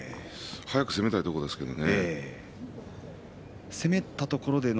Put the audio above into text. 早く攻めたいところですけどね。